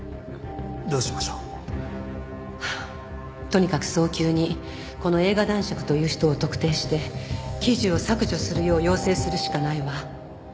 とにかく早急にこの映画男爵という人を特定して記事を削除するよう要請するしかないわ。